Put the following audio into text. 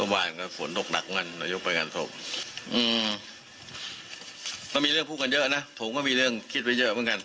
วันนี้แค่นี้นะจ๊ะ